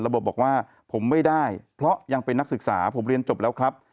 บอกว่าผมไม่ได้เพราะยังเป็นนักศึกษาผมเรียนจบแล้วครับ